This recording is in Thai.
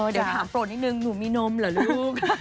เดี๋ยวถามโปรดนิดนึงหนูมีนมเหรอลูก